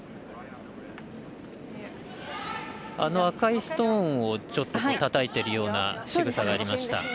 赤いストーンをたたいているようなしぐさがありました。